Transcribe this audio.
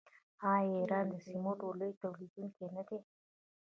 آیا ایران د سمنټو لوی تولیدونکی نه دی؟